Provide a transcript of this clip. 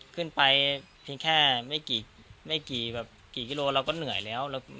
ขึ้นไปเพียงแค่ไม่กี่กิโลกรัมเราก็เหนื่อยแล้ว